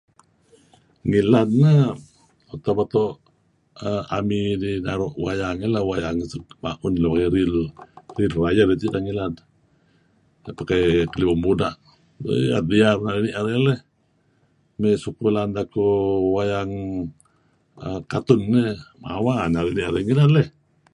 Ngilad neh utak beto' err army dih naru' wayang ngilad wayang suk naru' suk inan riruh-riruh ayu' tideh ngilad. Neh pakai kelibung buda', eeh da'et diyar narih ni'er dih leh. Mey suk belaan deh kuh wayang err katun eh mawa narih ni'er dih leh.